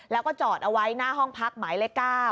แล้วก็จอดเอาไว้หน้าห้องพักหมายเลข๙